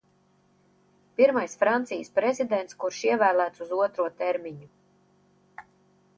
Pirmais Francijas prezidents, kurš ievēlēts uz otro termiņu.